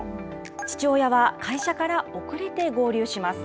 父親は会社から遅れて合流します。